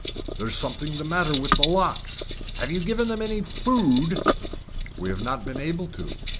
"There's something the matter with the locks." "Have you given them any food?" "We have not been able to."